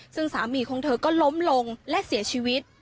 ซึ่งสามีของเธอก็ล้มลงและเสียชีวิต